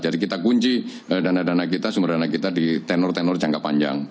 jadi kita kunci dana dana kita sumber dana kita di tenor tenor jangka panjang